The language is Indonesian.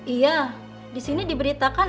iya disini diberitakan